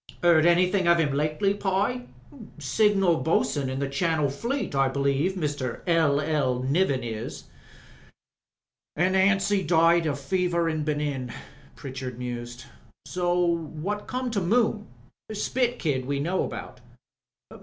'Eard anything of 'im lately, Pye?" "Signal Boatswain in the Channel Fleet, I believe — Mr. L. li. Niven is." "An' Anstey died jo* fever in Benin," Pritchard mused. "What come to Moon? Spit Kid we know about."